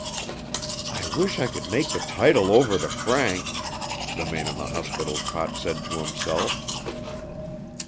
"I wish I could make the title over to Frank," the man in the hospital cot said to himself.